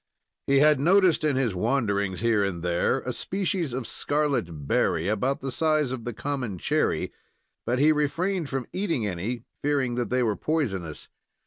He had noticed in his wanderings here and there a species of scarlet berry, about the size of the common cherry, but he refrained from eating any, fearing that they were poisonous.